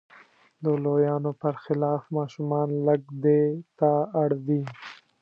د لویانو پر خلاف ماشومان لږ دې ته اړ دي.